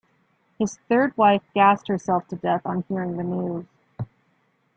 His third wife gassed herself to death on hearing the news.